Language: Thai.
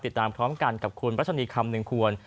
ติดตามพร้อมกันกับคุณรัชนีคำหนึ่งควร